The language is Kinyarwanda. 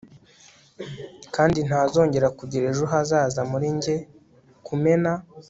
Kandi ntazongera kugira ejo hazaza muri njye kumena